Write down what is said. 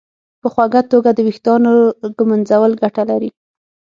په خوږه توګه د ویښتانو ږمنځول ګټه لري.